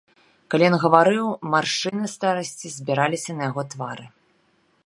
Калі ён гаварыў, маршчыны старасці збіраліся на яго твары.